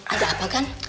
ada apa gan